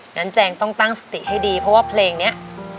แจงต้องตั้งสติให้ดีเพราะว่าเพลงนี้